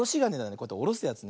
こうやっておろすやつ。